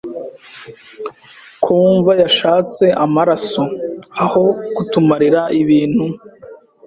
ko wumva yashatse amaraso, aho kutumarira ibintu!